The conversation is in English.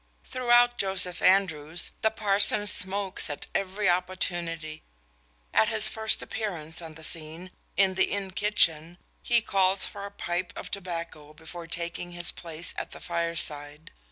Throughout "Joseph Andrews" the parson smokes at every opportunity. At his first appearance on the scene, in the inn kitchen, he calls for a pipe of tobacco before taking his place at the fireside.